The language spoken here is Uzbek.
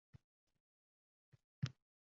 Shundan soʻng asar qayta nashr etilmay qoʻyadi